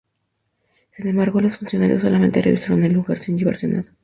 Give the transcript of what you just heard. Sin embargo, los funcionarios solamente revisaron el lugar sin llevarse nada.